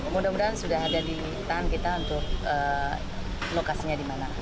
mudah mudahan sudah ada di tangan kita untuk lokasinya di mana